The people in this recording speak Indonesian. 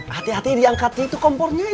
hati hati diangkatin itu komponennya